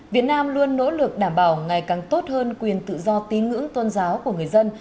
việt nam luôn nỗ lực đảm bảo ngày càng tốt hơn quyền tự do tín ngưỡng tôn giáo của người dân